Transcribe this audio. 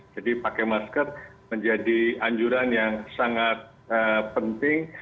jadi pakai masker menjadi anjuran yang sangat penting